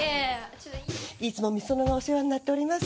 いつも美園がお世話になっております。